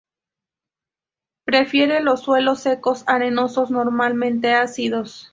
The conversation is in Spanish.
Prefiere los suelos secos, arenosos, normalmente ácidos.